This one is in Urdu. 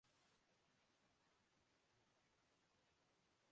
اب تویہاں میاں افتخار بھی اجنبی دکھائی دیتے ہیں۔